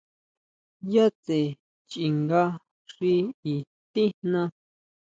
¿Yʼa tsʼe chinga xi i tijná?